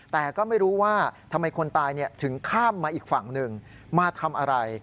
แต่ก็ไม่รู้ว่าทำไมคนตายถึงข้ามมาอีกฝั่งหนึ่งมาทำอะไร